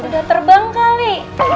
udah terbang kali